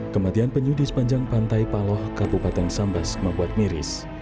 kematian penyu di sepanjang pantai paloh kabupaten sambas membuat miris